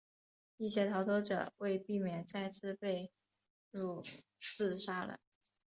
一些逃脱者为避免再次被俘自杀了。